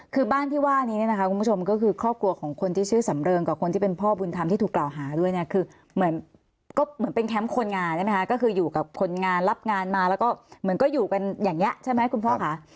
คือบ้านที่ว่านี้เนี่ยนะคะคุณผู้ชมก็คือครอบครัวของคนที่ชื่อสำเริงกับคนที่เป็นพ่อบุญธรรมที่ถูกกล่าวหาด้วยเนี่ยคือเหมือนก็เหมือนเป็นแคมป์คนงานใช่ไหมคะก็คืออยู่กับคนงานรับงานมาแล้วก็เหมือนก็อยู่กันอย่างนี้ใช่ไหมคุณพ่อค่ะ